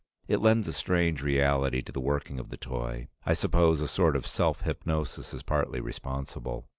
It lends a strange reality to the working of the toy; I suppose a sort of self hypnosis is partly responsible.